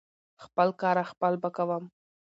خپل کاره خپل به کوم .